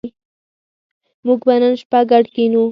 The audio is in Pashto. موږ به نن شپه ګډ کېنو